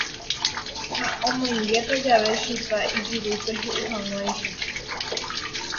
Ha omoingéta jave chipa ijurúpe ho'u hag̃uáicha.